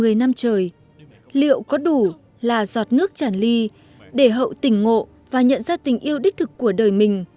một mươi năm trời liệu có đủ là giọt nước chản ly để hậu tỉnh ngộ và nhận ra tình yêu đích thực của đời mình